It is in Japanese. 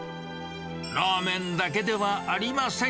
ラーメンだけではありません。